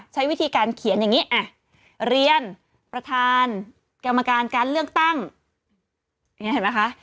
ใช้วิธีการเขียนอย่างนี้อ่ะเรียนประธานกรรมการการเลือกตั้งอย่างนี้เห็นไหมคะ